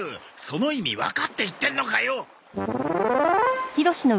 その意味わかって言ってんのかよ？